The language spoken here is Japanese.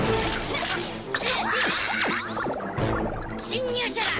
侵入者だ！